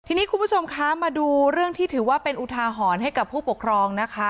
ทีนี้คุณผู้ชมคะมาดูเรื่องที่ถือว่าเป็นอุทาหรณ์ให้กับผู้ปกครองนะคะ